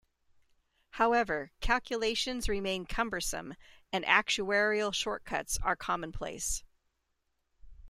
However, calculations remained cumbersome, and actuarial shortcuts were commonplace.